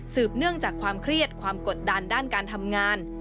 เนื่องจากความเครียดความกดดันด้านการทำงาน